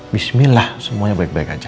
bismillah semuanya baik baik aja